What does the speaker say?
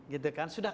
gitu kan sudah